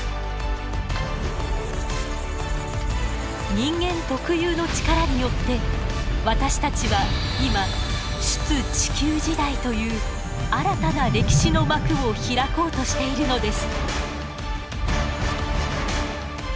人間特有の力によって私たちは今出・地球時代という新たな歴史の幕を開こうとしているのです。